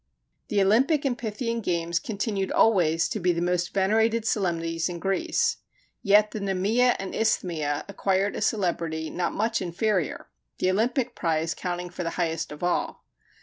The Olympic and Pythian games continued always to be the most venerated solemnities in Greece. Yet the Nemea and Isthmia acquired a celebrity not much inferior; the Olympic prize counting for the highest of all.